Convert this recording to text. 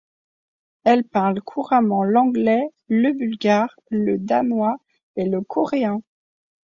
Elle parle couramment l'anglais, le bulgare, le danois et le coréen.